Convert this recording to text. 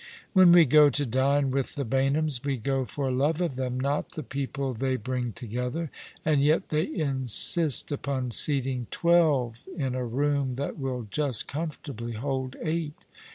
When we go to dine with the Baynhams we go for love of them, not the people " Under the Pine zvoodJ* 163 they bring together ; and yet they insist upon seating twelve in a room that will just comfortably hold eight.